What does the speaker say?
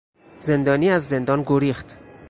زندانی از زندان گریخت.